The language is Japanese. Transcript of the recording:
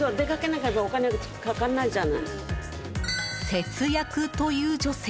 節約という女性。